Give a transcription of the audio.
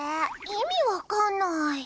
意味わかんない。